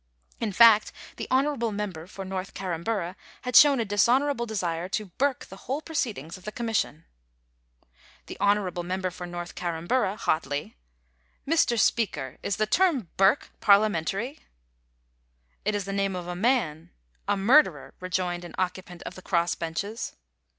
In fact, the honourable member for North Carramburra had shown a dishonourable desire to burke the whole proceedings of the Commission. The honourable member for North Carramburra, hotly :* Mr. Speaker, is the term burke Parliamentary ?'* It is the name of a man — a murderer,* rejoined an occu pant of the cross benches.